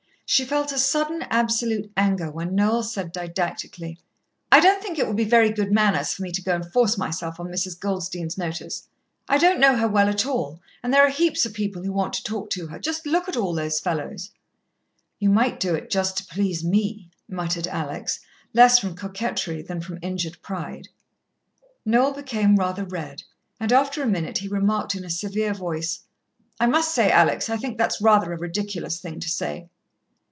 She felt a sudden, absolute anger when Noel said didactically: "I don't think it would be very good manners for me to go and force myself on Mrs. Goldstein's notice. I don't know her at all well, and there are heaps of people who want to talk to her just look at all those fellows!" "You might do it just to please me," muttered Alex, less from coquettery than from injured pride. Noel became rather red, and after a minute he remarked in a severe voice: "I must say, Alex, I think that's rather a ridiculous thing to say."